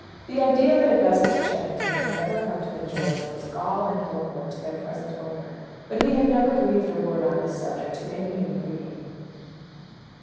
The idea that Augustus Cheffington might ever come to enjoy them was gall and wormwood to their present owner. But he had never breathed a word on this subject to any human being.